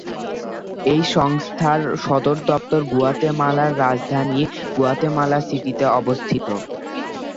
এই সংস্থার সদর দপ্তর গুয়াতেমালার রাজধানী গুয়াতেমালা সিটিতে অবস্থিত।